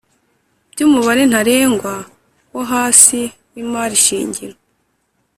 by umubare ntarengwa wo hasi w imari shingiro